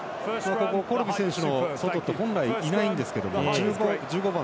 コルビ選手の外って本来、いないんですが、１５番。